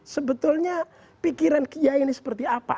sebetulnya pikiran kiai ini seperti apa